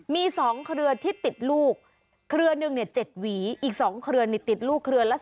มี๒เครือที่ติดลูกเครือหนึ่ง๗หวีอีก๒เครือติดลูกเครือละ